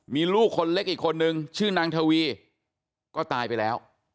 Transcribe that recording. มีลูกคนเล็กอีกคนนึงชื่อนางทวีก็ตายไปแล้ว